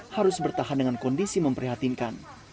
harus bertahan dengan kondisi memprihatinkan